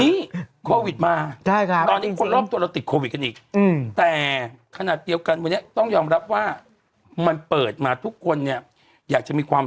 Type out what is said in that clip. นี่โควิดมาตอนนี้คนรอบตัวเราติดโควิดกันอีก